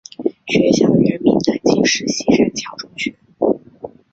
学校原名南京市西善桥中学。